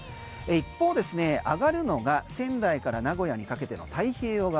一方ですね上がるのが仙台から名古屋にかけての太平洋側。